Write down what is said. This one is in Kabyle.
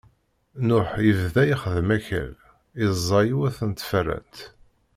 Nuḥ ibda ixeddem akal, iẓẓa yiwet n tfeṛṛant.